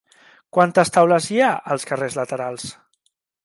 Quantes taules hi ha als carrers laterals?